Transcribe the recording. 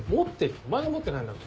お前が持ってないんだろ。